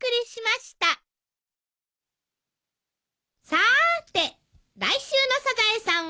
さーて来週の『サザエさん』は？